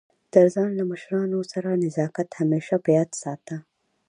تر ځان له مشرانو سره نزاکت همېشه په یاد ساته!